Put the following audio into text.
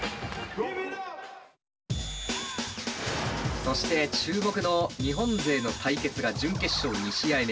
そして注目の日本勢の対決が準決勝２試合目。